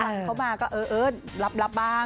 เข้ามาก็เออรับบ้าง